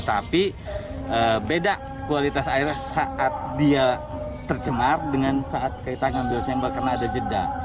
tapi beda kualitas airnya saat dia tercemar dengan saat kita ngambil sampel karena ada jeda